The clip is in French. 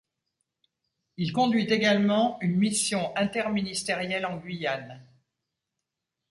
Il conduit également une mission interministérielle en Guyane.